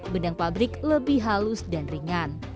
benang pabrik lebih halus dan ringan